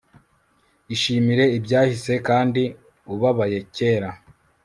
Ishimire ibyahise kandi ubabaye kera